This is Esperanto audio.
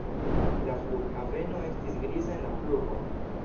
La flughaveno estis griza en la pluvo.